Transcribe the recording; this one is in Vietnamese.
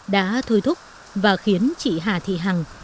đã thuê thúc và khiến chị hà thị hằng